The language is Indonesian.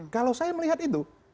kalau saya melihat itu